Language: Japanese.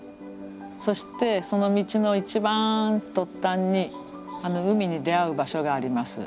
そしてその道の一番突端に海に出会う場所があります。